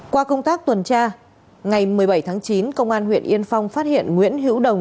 qua công tác tuần tra ngày một mươi bảy tháng chín công an huyện yên phong phát hiện nguyễn hữu đồng